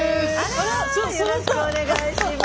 あらよろしくお願いします。